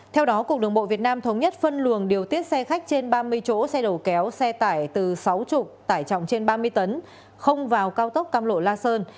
theo đó cục đường bộ việt nam thống nhất phân luồng điều tiết xe khách trên ba mươi chỗ xe đầu kéo xe tải từ sáu mươi tải trọng trên ba mươi tấn không vào cao tốc cam lộ la sơn